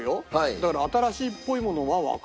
だから新しいっぽいものはわからない。